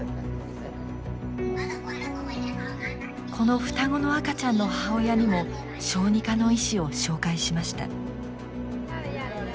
この双子の赤ちゃんの母親にも小児科の医師を紹介しました。